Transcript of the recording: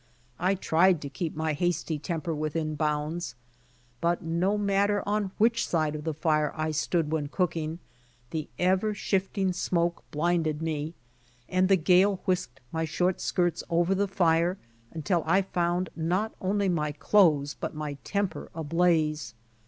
I tried to keep my hasty temper within bounds, but no matter on which side of the fire I stood when cooking, the ever shifting smoke blinded me, and the gale whisked my short skirts over the fire, until I found not only my clothes but my temper ablaze.